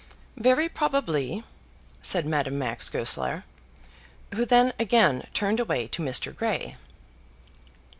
"Very probably," said Madame Max Goesler, who then again turned away to Mr. Grey.